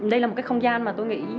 đây là một cái không gian mà tôi nghĩ